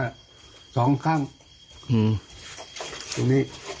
ลุงพ่อช่วยหน่อยครับผม